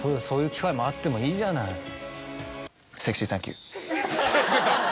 そういう機会もあってもいいじゃない。